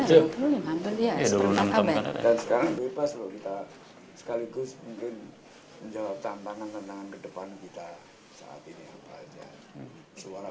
suara bersama dari semualah semua persatuan kita semua